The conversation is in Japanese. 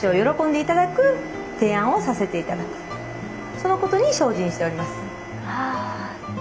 そのことに精進しております。